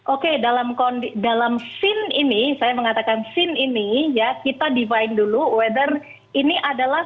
oke dalam scene ini saya mengatakan scene ini ya kita define dulu wether ini adalah